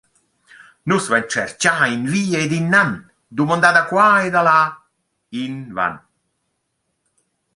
«Nus vain tscherchà invia ed innan, dumandà da qua e da là, invan.»